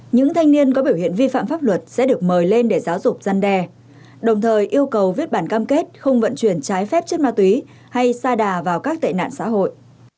những thanh niên có biểu hiện vi phạm pháp luật sẽ được mời lên để giáo dục gian đe đồng thời yêu cầu viết bản cam kết không vận chuyển trái phép chất ma túy hay xa đà vào các tệ nạn xã hội